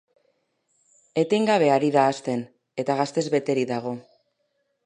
Etengabe ari da hazten, eta gaztez beterik dago.